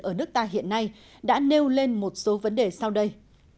ở nước ta hiện nay đã nêu lên một số vấn đề sau đây